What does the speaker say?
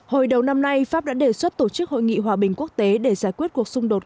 hồi đầu năm nay pháp đã đề xuất tổ chức hội nghị hòa bình quốc tế để giải quyết cuộc xung đột